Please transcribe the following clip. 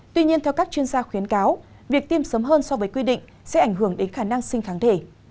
tuy nhiên theo các chuyên gia khuyến cáo việc tiêm sớm hơn so với quy định sẽ ảnh hưởng đến khả năng sinh kháng thể